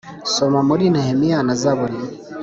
Soma muri Nehemiya na zaburi